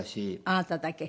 あなただけ？